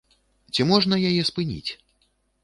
Ці можна яе спыніць?